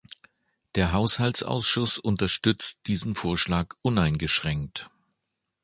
Der Haushaltsausschuss unterstützt diesen Vorschlag uneingeschränkt.